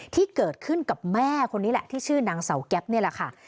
ที่เกิดขึ้นกับแม่คนนี้แหละที่ชื่อนางเสาแก๊ปนี่แหละค่ะ